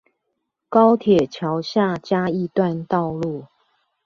高鐵橋下嘉義段道路